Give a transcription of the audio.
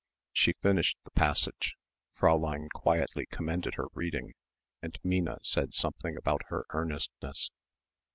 She finished the passage Fräulein quietly commended her reading and Minna said something about her earnestness.